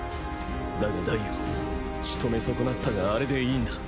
だがダイよしとめ損なったがあれでいいんだ。